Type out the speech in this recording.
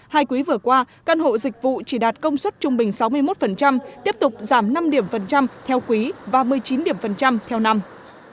hai quý vừa qua căn hộ dịch vụ chỉ đạt công suất trung bình sáu mươi một tiếp tục giảm năm điểm phần trăm theo quý và một mươi chín điểm phần trăm theo năm